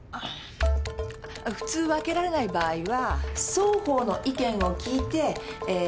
普通分けられない場合は双方の意見を聞いてえー